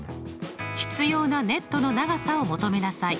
必要なネットの長さを求めなさい。